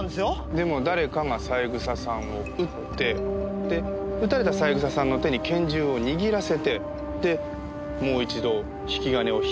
でも誰かが三枝さんを撃ってで撃たれた三枝さんの手に拳銃を握らせてでもう一度引き金を引いたんだとしたら？